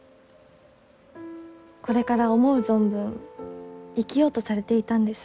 これから思う存分生きようとされていたんです。